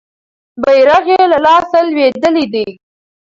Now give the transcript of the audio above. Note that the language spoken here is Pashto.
بیرغ یې له لاسه لویدلی دی.